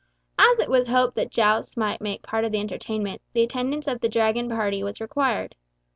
As it was hoped that jousts might make part of the entertainment, the attendance of the Dragon party was required.